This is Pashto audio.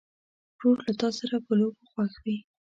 ورور له تا سره په لوبو خوښ وي.